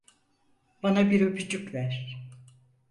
Bana bir öpücük ver.